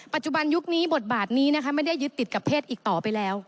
ยุคนี้บทบาทนี้นะคะไม่ได้ยึดติดกับเพศอีกต่อไปแล้ว